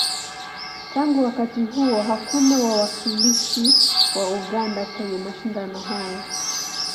Tangu wakati huo, hakuna wawakilishi wa Uganda kwenye mashindano haya.